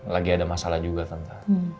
lagi ada masalah juga tentang